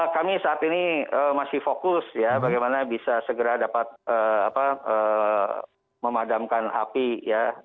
kami saat ini masih fokus ya bagaimana bisa segera dapat memadamkan api ya